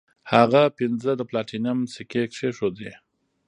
هغه پنځه د پلاټینم سکې کیښودې.